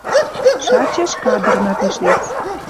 Шачеш кадрна тишец».